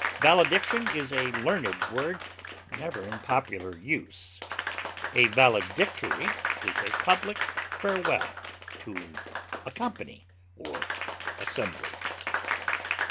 Valediction is a learned word never in popular use. A valedictory is a public farewell to a company or assembly.